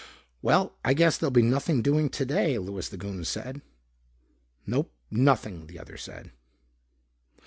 "Well, I guess there'll be nothing doing today," Louis the Goon said. "Nope, nothing," the other said.